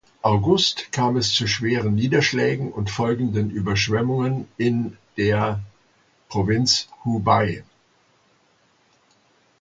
August kam es zu schweren Niederschlägen und folgenden Überschwemmungen in der Provinz Hubei.